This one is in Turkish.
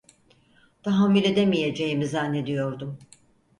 Tahammül edemeyeceğimi zannediyordum.